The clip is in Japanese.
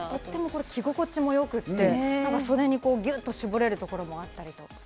着心地も良くて、袖にぎゅっと絞れるところもあったりとか。